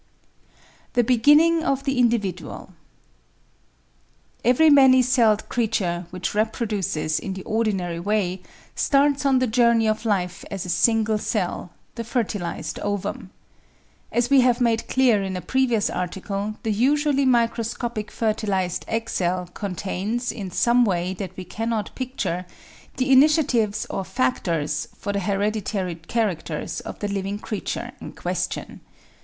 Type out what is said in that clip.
The Beginning of the Individual Every many celled creature, which reproduces in the ordinary way, starts on the joiu'ney of life as a single cell — the fertilised ovum. As we have made clear in a previous article, the usually microscopic fertilised egg cell contains, in some way that we cannot picture, the initiatives or "factors" for the hereditary char acters of the living creature in question.